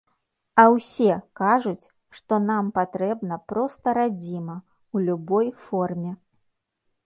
А ўсе кажуць, што нам патрэбна проста радзіма, у любой форме.